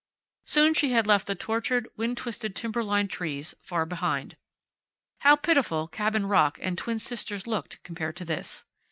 Soon she had left the tortured, wind twisted timberline trees far behind. How pitiful Cabin Rock and Twin Sisters looked compared to this.